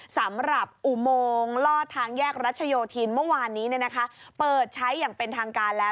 สำหรับอุโมงลอดทางแยกรัชโยธินเมื่อวานนี้เปิดใช้อย่างเป็นทางการแล้ว